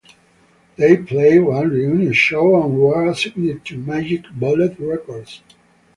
They played one reunion show and were signed to Magic Bullet Records.